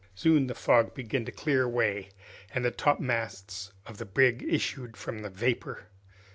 Soon the fog began to clear away, and the topmasts of the brig issued from the vapor.